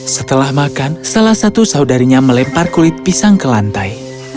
setelah makan salah satu saudarinya melempar kulit pisang ke lantai